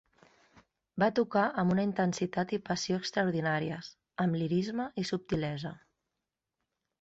Va tocar amb una intensitat i passió extraordinàries, amb lirisme i subtilesa.